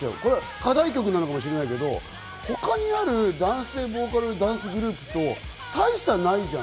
課題曲なのかもしれないけど、他にあるダンス＆ボーカルグループと大差ないじゃん。